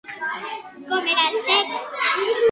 Com era el terra?